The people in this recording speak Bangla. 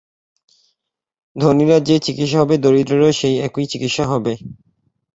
ধনীর যে-চিকিৎসা হবে, দরিদ্রেরও সেই একই চিকিৎসা হবে।